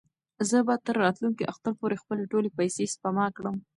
زه به تر راتلونکي اختر پورې خپلې ټولې پېسې سپما کړم.